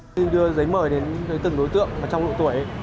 chúng tôi đưa giấy mở đến từng đối tượng trong độ tuổi